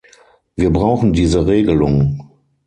Wir brauchen diese Regelung.